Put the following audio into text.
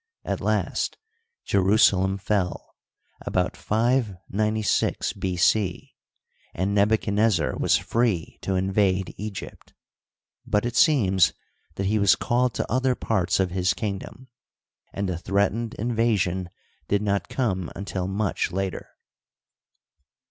At last Jerusalem fell, about 596 B. c, and Nebuchadnezzar was free to invade Eg^pt ; but it seems that he was called to other parts of his kingdom, and the threatened invasion did not come until much later.